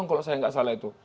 kalau saya nggak salah itu